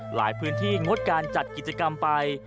หลายพื้นที่งดการจัดกิจกรรมไป